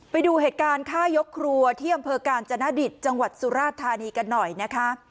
ไปดูเหตุการณ์ฆ่ายกครัวที่อำเภอกาญจนดิตจังหวัดสุราธานีกันหน่อยนะคะ